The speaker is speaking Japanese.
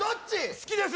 好きです！